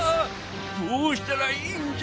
どうしたらいいんじゃ？